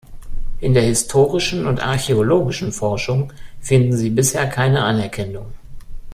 In der historischen und archäologischen Forschung finden sie bisher keine Anerkennung.